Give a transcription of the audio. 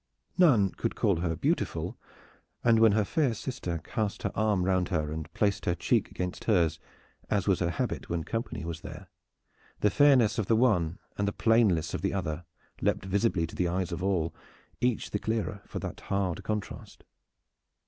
None could call her beautiful, and when her fair sister cast her arm round her and placed her cheek against hers, as was her habit when company was there, the fairness of the one and the plainness of the other leaped visibly to the eyes of all, each the clearer for that hard contrast.